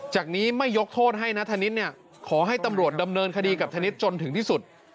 จากนี้ไม่ยกโทษให้นัทธนิษฐ์เนี่ยขอให้ตำรวจดำเนินคดีกับธนิษฐ์จนถึงที่สุด